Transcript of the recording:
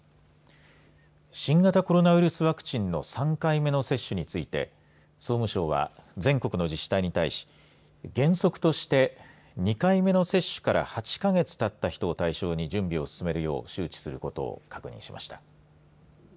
新型コロナウイルスワクチンの３回目の接種について総務省は全国の自治体に対し原則として２回目の接種から８か月たった人を対象に準備を進めるよう周知することを確認しました。